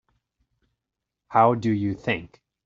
How do you think?